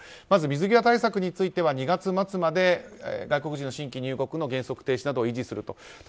まず水際対策については２月末まで外国人の新規入国の原則停止などを維持すると。